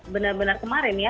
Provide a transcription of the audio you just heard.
benar benar kemarin ya